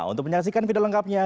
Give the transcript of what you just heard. untuk menyaksikan video lengkapnya